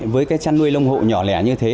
với cái chăn nuôi lông hộ nhỏ lẻ như thế